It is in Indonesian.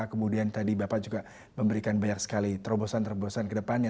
kemudian tadi bapak juga memberikan banyak sekali terobosan terobosan ke depannya